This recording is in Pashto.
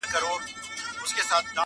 ږغ به وچ سي په کوګل کي د زاغانو،